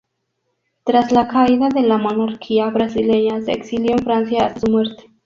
Tras la caída de la monarquía brasileña se exilió en Francia hasta su muerte.